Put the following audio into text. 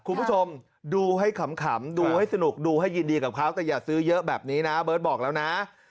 คุณผู้ชมดูให้ขำดูให้สนุกดูให้ยินดีกับเขาแต่อย่าซื้อเยอะแบบนี้นะเบิร์ตบอกแล้วนะ